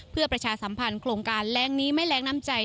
เพื่อประชาสัมพันธ์โครงการแรงนี้ไม่แรงน้ำใจ